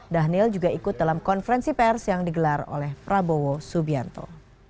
dhanil juga ikut dalam konferensi pers yang digelar oleh prabowo subianto